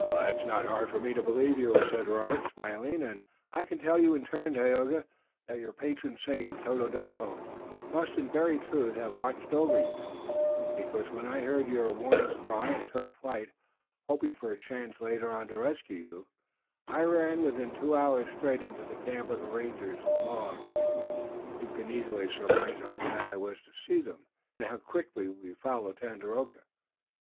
"It is not hard for me to believe you," said Robert, smiling, "and I can tell you in turn, Tayoga, that your patron saint, Tododaho, must in very truth have watched over you, because when I heard your warning cry and took to flight, hoping for a chance later on to rescue you, I ran within two hours straight into the camp of the rangers and the Mohawks. You can easily surmise how glad I was to see them, and how quickly we followed Tandakora."